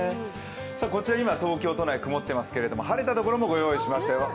こちら今、東京都内曇ってますけれども晴れたところもご用意しましたよ。